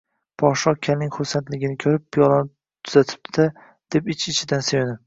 Podsho kalning xursandligini ko‘rib Piyolani tuzatibdi-da, deb ich-ichidan sevinib